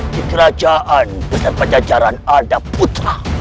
di kerajaan besar pajajaran ada putra